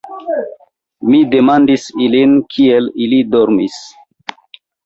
Mi demandis ilin, kiel ili dormis.